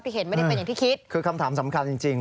เห็นไม่ได้เป็นอย่างที่คิดคือคำถามสำคัญจริงจริง